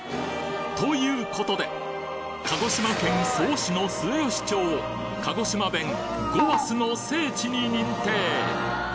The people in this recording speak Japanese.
ということで鹿児島県曽於市の末吉町を鹿児島弁「ごわす」の聖地に認定！